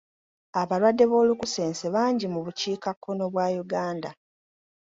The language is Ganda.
Abalwadde b'olunkusense bangi mu bukiikakkono bwa Uganda.